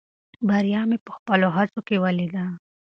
بریا مې په خپلو هڅو کې ولیده.